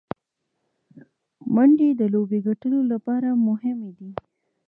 منډې د لوبي ګټلو له پاره مهمي دي.